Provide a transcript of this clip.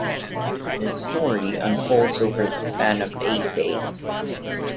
The story unfolds over the span of eight days.